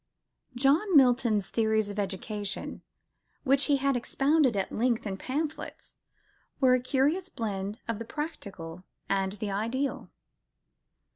John Milton's theories of education, which he had expounded at length in pamphlets, were a curious blend of the practical and the ideal.